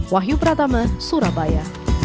wahyu pratama surabaya